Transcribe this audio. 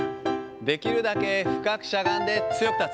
できるだけ深くしゃがんで強く立つ。